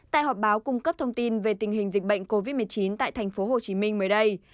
tại họp báo cung cấp thông tin về tình hình dịch bệnh covid một mươi chín tại thành phố hồ chí minh mới đây